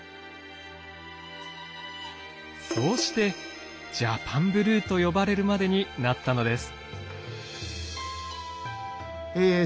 そうしてジャパン・ブルーと呼ばれるまでになったのです。